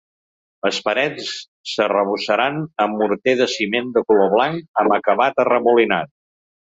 Les parets s’arrebossaran amb morter de ciment de color blanc amb acabat arremolinat.